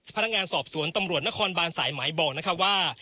พนักงานสอบสวนตำรวจนครบานสายไหมบอกนะคะว่า